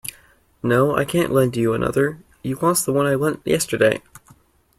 No, I can't lend you another. You lost the one I lent yesterday!